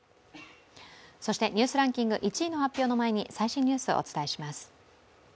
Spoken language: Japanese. そしてニュースランキング１位発表の前に最新ニュースをお伝えします。